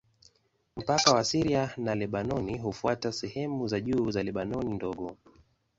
Mpaka wa Syria na Lebanoni hufuata sehemu za juu za Lebanoni Ndogo.